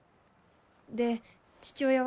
で父親は？